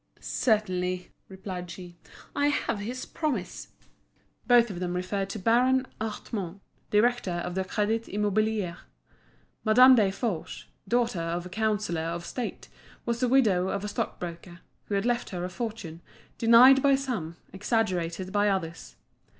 "Certainly," replied she. "I have his promise." Both of them referred to Baron Hartmann, director of the Crédit Immobilier. Madame Desforges, daughter of a Councillor of State, was the widow of a stock broker, who had left her a fortune, denied by some, exaggerated by others.